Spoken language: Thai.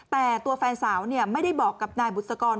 แต่ตัวแฟนสาวไม่ได้บอกกับนายบุษกร